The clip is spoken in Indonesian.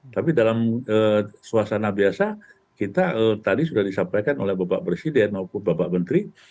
tapi dalam suasana biasa kita tadi sudah disampaikan oleh bapak presiden maupun bapak menteri